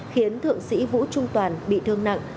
khiến thượng sĩ vũ trung toàn bị thương nặng